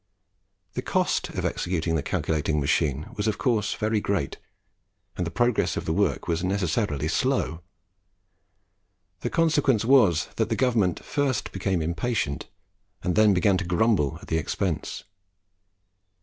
The cost of executing the calculating machine was of course very great, and the progress of the work was necessarily slow. The consequence was that the government first became impatient, and then began to grumble at the expense.